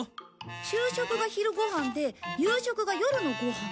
昼食が昼ご飯で夕食が夜のご飯。